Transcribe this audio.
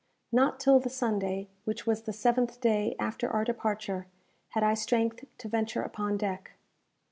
Not till the Sunday, which was the seventh day after our departure, had I strength to venture upon deck.